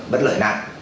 bất lợi nặng